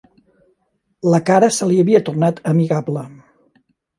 La cara se li havia tornat amigable.